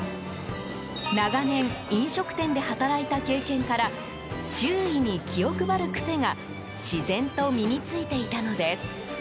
長年、飲食店で働いた経験から周囲に気を配る癖が自然と身に付いていたのです。